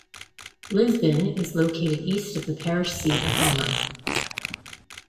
Lisbon is located east of the parish seat of Homer.